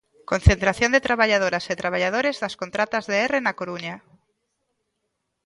Concentración de traballadoras e traballadores das contratas de Erre na Coruña.